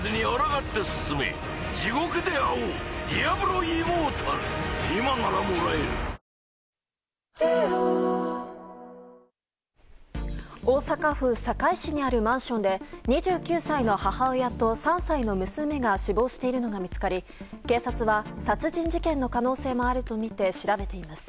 更に、鳥海が大阪府堺市にあるマンションで２９歳の母親と３歳の娘が死亡しているのが見つかり警察は殺人事件の可能性もあるとみて調べています。